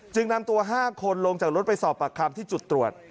นำตัว๕คนลงจากรถไปสอบปากคำที่จุดตรวจ